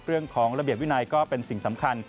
เรื่องของระเบียบวินัยก็เป็นสิ่งสำคัญ